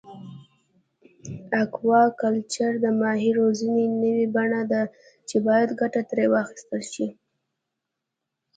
اکواکلچر د ماهي روزنې نوی بڼه ده چې باید ګټه ترې واخیستل شي.